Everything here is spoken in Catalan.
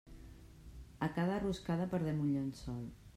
A cada roscada perdem un llençol.